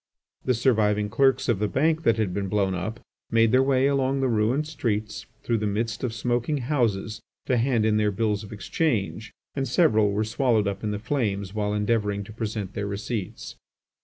The surviving clerks of the Bank that had been blown up, made their way along the ruined streets through the midst of smoking houses to hand in their bills of exchange, and several were swallowed up in the flames while endeavouring to present their receipts.